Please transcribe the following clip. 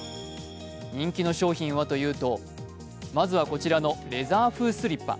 人気の商品はというとまずはこちらのレザー風スリッパ。